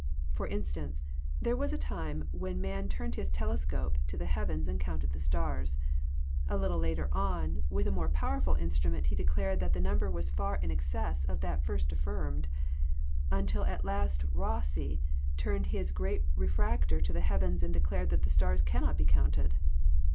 For instance, there was a time when man turned his telescope to the heavens and counted the stars. A little later on with a more powerful instrument he declared that the number was far in excess of that first affirmed ; until at last Eosse turned his great re fractor to the heavens and declared that the stars cannot be counted.